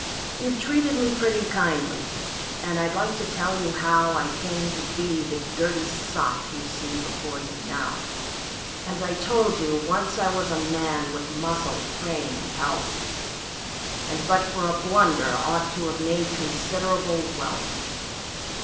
"You've treated me pretty kindly and I'd like to tell you how I came to be the dirty sot you see before you now. As I told you, once I was a man, with muscle, frame, and health, And but for a blunder ought to have made considerable wealth.